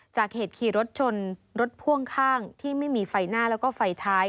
จากเหตุขี่รถชนรถพ่วงข้างที่ไม่มีไฟหน้าแล้วก็ไฟท้าย